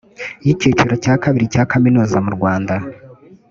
y icyiciro cya kabiri cya kaminuza mu rwanda